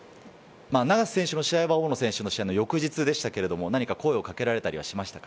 永瀬選手の試合は大野選手の翌日でしたけれど、何か声をかけられたりはしましたか？